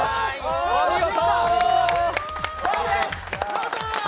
お見事！